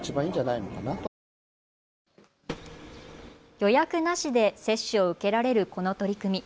予約なしで接種を受けられるこの取り組み。